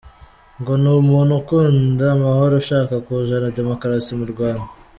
Ngo ni umuntu ukunda amahoro ushaka kuzana demokarasi mu Rwanda !